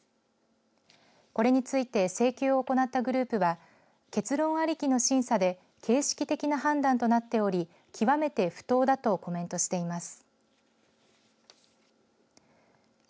これについて請求を行ったグループは結論ありきの審査で形式的な判断となっており極めて不当だとコメントしています。